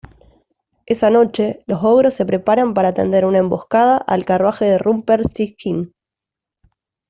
Esa noche, los ogros se preparan para tender una emboscada al carruaje de Rumpelstiltskin.